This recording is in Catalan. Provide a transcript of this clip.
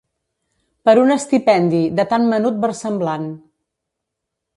Per un estipendi, de tan menut versemblant